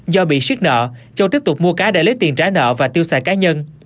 do bị siết nợ châu tiếp tục mua cá để lấy tiền trả nợ và tiêu xài cá nhân